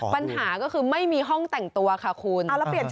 ปัญหาก็คือไม่มีห้องแต่งตัวค่ะคุณ